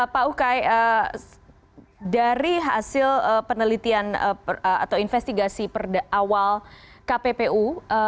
pak ukay dari hasil penelitian atau investigasi awal kppu